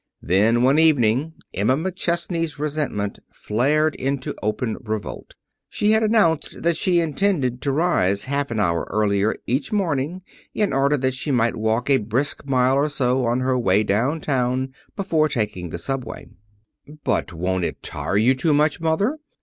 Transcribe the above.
Then, one evening, Emma McChesney's resentment flared into open revolt. She had announced that she intended to rise half an hour earlier each morning in order that she might walk a brisk mile or so on her way down town, before taking the subway. "But won't it tire you too much, Mother?"